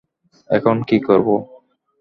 এখন কি করব?